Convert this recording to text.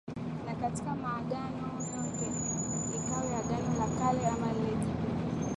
na katika maagano yote iwe Agano la Kale ama lile jipya